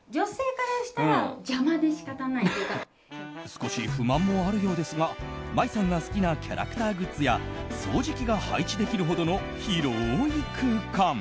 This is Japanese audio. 少し不満もあるようですが麻衣さんが好きなキャラクターグッズや掃除機が配置できるほどの広い空間。